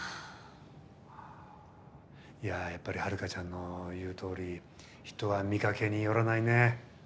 いややっぱりハルカちゃんの言うとおり人は見かけによらないね。